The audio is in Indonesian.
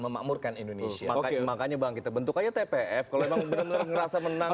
memakmurkan indonesia makanya bang kita bentuk aja tpf kalau emang bener bener ngerasa menang